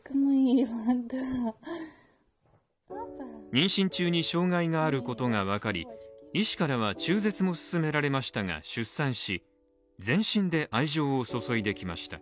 妊娠中に障害があることが分かり医師からは中絶も勧められましたが出産し、全身で愛情を注いできました。